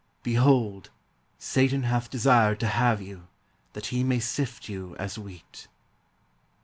"Behold, Satan hath desired to have you, that he may sift you as wheat."